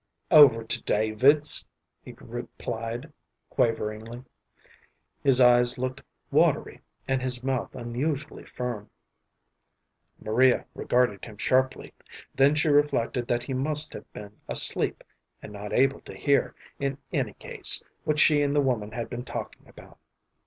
"Over to David's," he replied, quaveringly. His eyes looked watery, and his mouth unusually firm. Maria regarded him sharply. Then she reflected that he must have been asleep, and not able to hear, in any case, what she and the woman had been talking about.